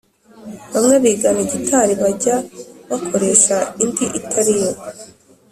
bamwe bigana gitari bajya bakoresha indi itariyo